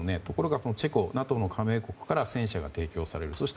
ところがチェコＮＡＴＯの加盟国から戦車が提供される。